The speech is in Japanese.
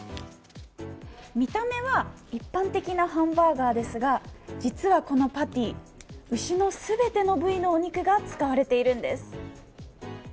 見た目は一般的なハンバーガーですが実はこのパティー牛の全ての部位のお肉が使われているんです。